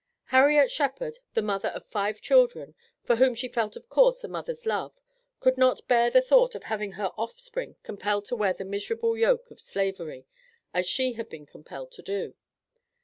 Harriet Shephard, the mother of five children, for whom she felt of course a mother's love, could not bear the thought of having her offspring compelled to wear the miserable yoke of Slavery, as she had been compelled to do.